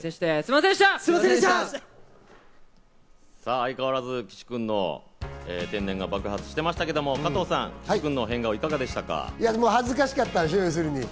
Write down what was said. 相変わらず岸くんの天然が爆発してましたけど、加藤さん、恥ずかしかったんでしょ。